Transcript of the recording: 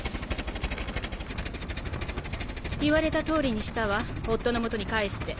言われた通りにしたわ夫の元に帰して。